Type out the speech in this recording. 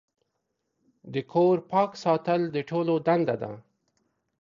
د کور پاک ساتل د ټولو دنده ده.